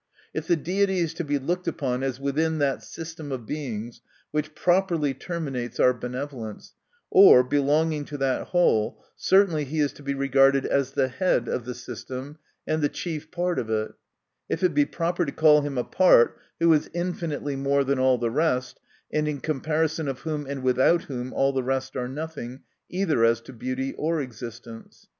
If the Deity is to be looked upon as within that system of Beings which properly terminates our be nevolence, or belonging to that whole, certainly he is to be regarded as the / ead of the system, and the chief 'part of it; if it be proper to call him a pent, who is infinitely more than all the rest, and in comparison of whom and without whom all the rest are nothing, either as to beauty or existence.